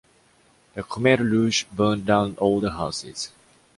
The Khmer Rouge burned down all the houses.